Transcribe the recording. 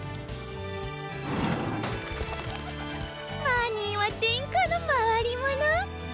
マニーは天下の回りもの。